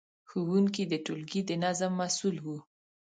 ښوونکي د ټولګي د نظم مسؤل وو.